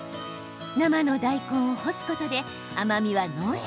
生の大根を干すことで甘みは濃縮。